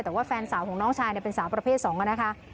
แต่ว่าแฟนสาวของน้องชายเป็นสาวประเภท๒นะคะ